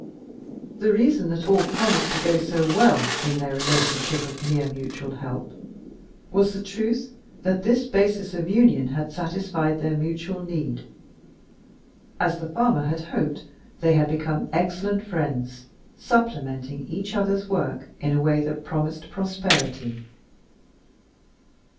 The reason that all promised to go so well in their relationship of mere mutual help was the truth that this basis of union had satisfied their mutual need. As the farmer had hoped, they had become excellent friends, supplementing each other's work in a way that promised prosperity.